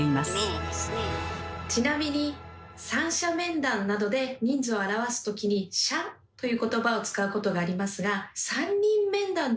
ちなみに「三者面談」などで人数を表す時に「者」という言葉を使うことがありますが「三人面談」でもいいと思いませんか？